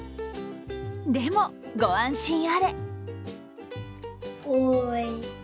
でもご安心あれ。